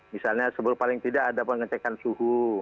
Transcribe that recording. misalnya sebelum paling tidak ada pengecekan suhu